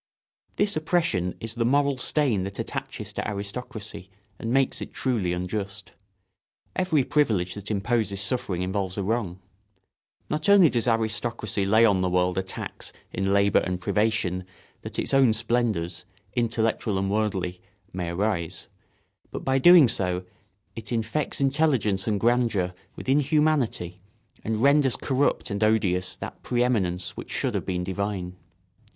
This oppression is the moral stain that attaches to aristocracy and makes it truly unjust. Every privilege that imposes suffering involves a wrong. Not only does aristocracy lay on the world a tax in labour and privation that its own splendours, intellectual and worldly, may arise, but by so doing it infects intelligence and grandeur with inhumanity and renders corrupt and odious that pre eminence which should have been divine.